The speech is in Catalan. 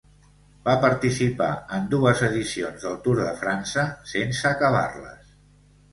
Va participar en dues edicions del Tour de França, sense acabar-les.